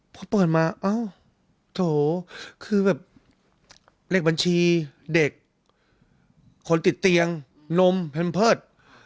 พอเปิดมาอ้าวโถคือแบบเลขบัญชีเด็กคนติดเตียงนมแพมเพิร์ต